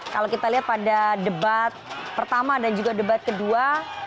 kalau kita lihat pada debat pertama dan juga debat kedua